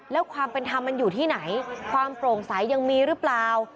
แล้วความเป็นธรรมมันอยู่ที่ไหนความโปร่งใสยังมีหรือเปล่า